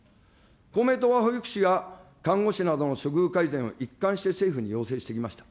公明党は、保育士や看護師などの処遇改善を一貫して政府に要請してきました。